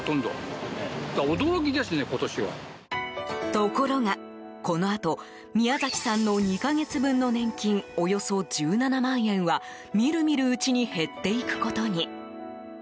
ところが、このあと宮崎さんの２か月分の年金およそ１７万円はみるみるうちに減っていくことに。